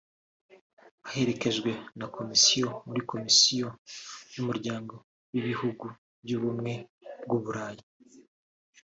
aherekejwe na komiseri muri Komisiyo y’Umuryango w’ibihugu by’Ubumwe bw’u Burayi